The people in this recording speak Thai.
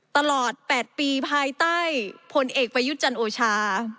ตลอด๘ปีภายใต้ผลเอกประยุทธ์จันโอชา